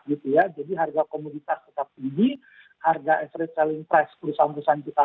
gitu ya jadi harga komoditas tetap tinggi harga average selling price perusahaan perusahaan kita